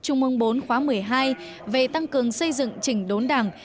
trung ương bốn khóa một mươi hai về tăng cường xây dựng chỉnh đốn đảng